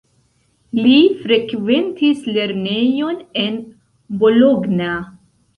Li frekventis lernejon en Bologna.